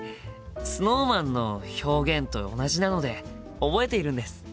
ＳｎｏｗＭａｎの表現と同じなので覚えているんです！